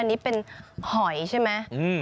อันนี้เป็นหอยใช่ไหม